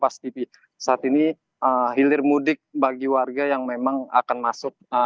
saat ini hilir mudik bagi warga yang memang akan masuk